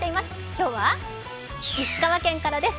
今日は石川県からです。